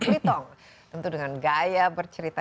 pitong tentu dengan gaya bercerita